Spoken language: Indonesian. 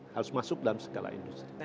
harus masuk dalam segala industri